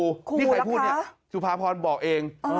นี่ใครพูดเนี่ยสุภาพรบอกเอง